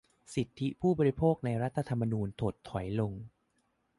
สิทธิผู้บริโภค ใน รัฐธรรมนูญ ถดถอยลง